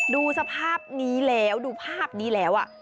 ดูสภาพนี้แล้วดูภาพนี้แล้ว